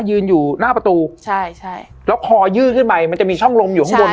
ยืนอยู่หน้าประตูใช่ใช่แล้วคอยื้อขึ้นไปมันจะมีช่องลมอยู่ข้างบน